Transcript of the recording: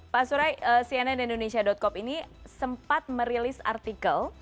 pak surai cnn indonesia com ini sempat merilis artikel